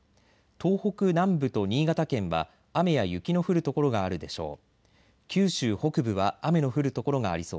東北南部と新潟県は雨や雪の降る所があるでしょう。